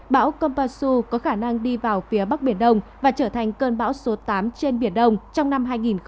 bão kompasu có khả năng đi vào phía bắc biển đông và trở thành cơn bão số tám trên biển đông trong năm hai nghìn hai mươi